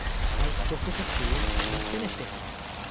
I struck up a tune, and finished it.